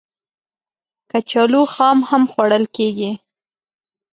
کچالو خام هم خوړل کېږي